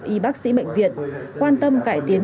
y bác sĩ bệnh viện quan tâm cải tiến